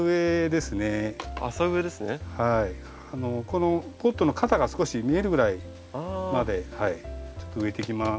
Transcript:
このポットの肩が少し見えるぐらいまで植えていきます。